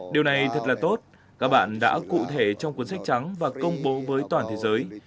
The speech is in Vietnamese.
điều này thật là tốt các bạn đã cụ thể trong cuốn sách trắng và công bố với toàn thế giới